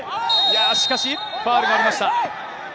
しかし、ファウルになりました。